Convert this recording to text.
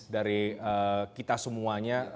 dari kita semuanya